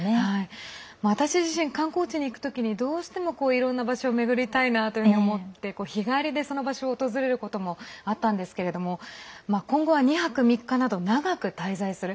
私自身、観光地に行く時にどうしてもいろんな場所を巡りたいと思って日帰りでその場所を訪れることもあったんですけれども今後は、２泊３日など長く滞在する。